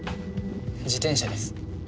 自転車です。